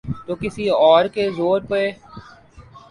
تو کسی اور کے زور پہ۔